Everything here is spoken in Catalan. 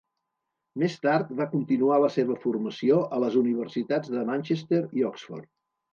Més tard va continuar la seva formació a les universitats de Manchester i Oxford.